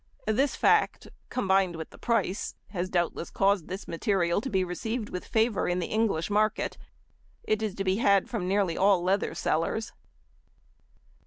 This fact, combined with the price, has doubtless caused this material to be received with favour in the English market. It is to be had from nearly all leather sellers.